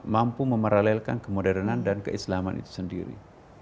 mampu memeralelkan kemodernan dan keislaman itu sendiri